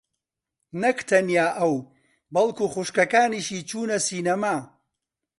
نەک تەنیا ئەو بەڵکوو خوشکەکانیشی چوونە سینەما.